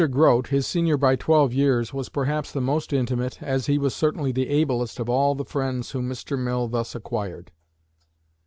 Grote, his senior by twelve years, was perhaps the most intimate, as he was certainly the ablest, of all the friends whom Mr. Mill thus acquired.